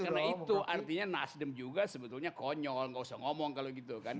karena itu artinya nasdem juga sebetulnya konyol nggak usah ngomong kalau gitu kan